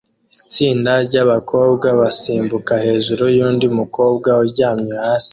Itsinda ryabakobwa basimbuka hejuru yundi mukobwa uryamye hasi